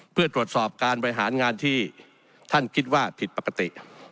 เพื่อตรวจสอบการบริหารงานที่ท่านคิดว่าผิดปกติ